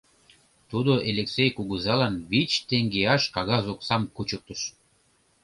Тудо Элексей кугызалан вич теҥгеаш кагаз оксам кучыктыш.